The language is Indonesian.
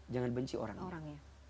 jangan benci orang lain